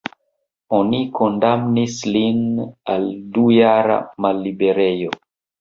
Oni kondamnis lin al dujara malliberejo.